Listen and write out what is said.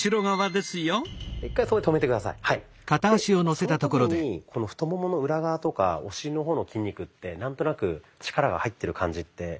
でその時に太ももの裏側とかお尻の方の筋肉って何となく力が入ってる感じって。